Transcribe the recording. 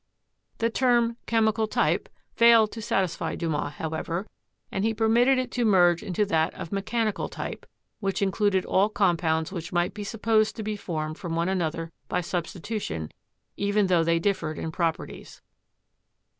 The term "chemical type" failed to satisfy Dumas, how ever, and he permitted it to merge into that of "mechani cal type," which included all compounds which might be supposed to be formed from one another by substitution, even tho they differed in properties.